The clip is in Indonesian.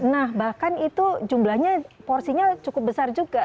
nah bahkan itu jumlahnya porsinya cukup besar juga